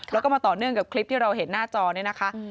แล้วก็มาต่อเนื่องกับคลิปที่เราเห็นหน้าจอเนี่ยนะคะ